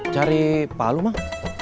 cari palu mah